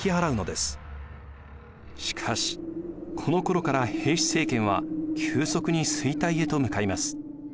しかしこのころから平氏政権は急速に衰退へと向かいます。